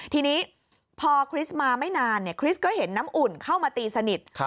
ทีนี้พอคริสต์มาไม่นานคริสก็เห็นน้ำอุ่นเข้ามาตีสนิท